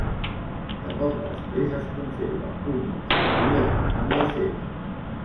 De poc després es conserva un himne llatí en memòria seva.